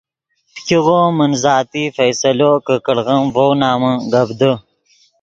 فګیغو من ذاتی فیصلو کہ کڑغیم ڤؤ نمن گپ دے